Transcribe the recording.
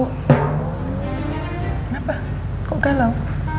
kenapa kok galau